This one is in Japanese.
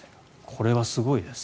これはすごいです。